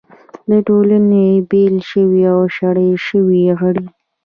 د ټولنې بېل شوي او شړل شوي غړي